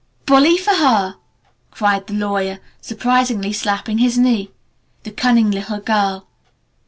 "Bully for her!" cried the lawyer, surprisingly, slapping his knee. "The cunning little girl!"